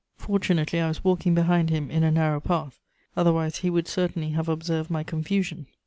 Fortunately I was walking behind him in a narrow path; otherwise, he would certainly have observed my confusion.